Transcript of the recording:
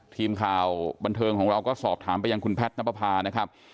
ทีมข่าวบันเทิงของเราก็สอบถามไปยังคุณแพทย์นับประพานะครับ